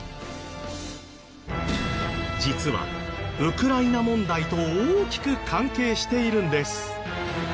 実はウクライナ問題と大きく関係しているんです。